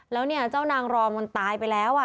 แล้วเนี่ยเจ้านางรองมันตายไปแล้ว